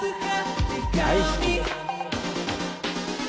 大好き。